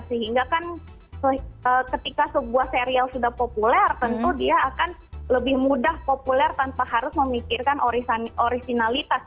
sehingga kan ketika sebuah serial sudah populer tentu dia akan lebih mudah populer tanpa harus memikirkan originalitas